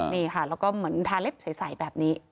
นี่ค่ะแล้วก็เหมือนทาเล็บใสแบบนี้